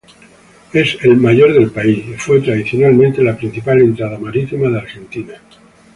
Es el mayor del país, y fue tradicionalmente la principal entrada marítima de Argentina.